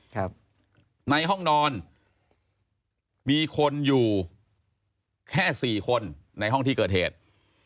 ครับในห้องนอนมีคนอยู่แค่สี่คนในห้องที่เกิดเหตุ